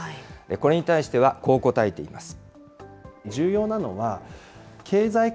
これに対してはこう答えています。